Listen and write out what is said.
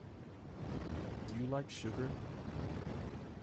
Do you like sugar?